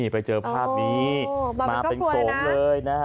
ไปเจอภาพนี้มาเป็นโขลงเลย